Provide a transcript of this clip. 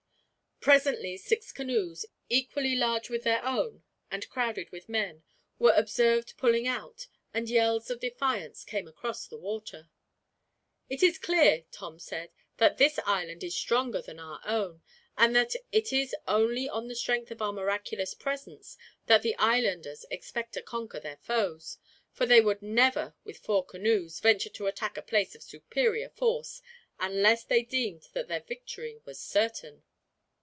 Presently six canoes, equally large with their own and crowded with men, were observed pulling out, and yells of defiance came across the water. "It is clear," Tom said, "that this island is stronger than our own; and that it is only on the strength of our miraculous presence that the islanders expect to conquer their foes; for they would never, with four canoes, venture to attack a place of superior force, unless they deemed that their victory was certain."